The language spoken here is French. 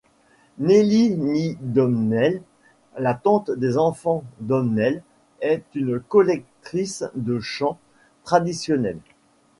Néillí Ní Dhomhnaill, la tante des enfants Dhomhnaill, est une collectrice de chants traditionnels.